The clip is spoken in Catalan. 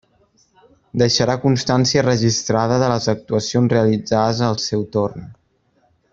Deixarà constància registrada de les actuacions realitzades en el seu torn.